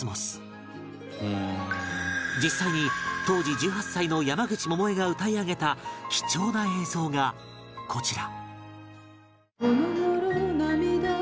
実際に当時１８歳の山口百恵が歌い上げた貴重な映像がこちら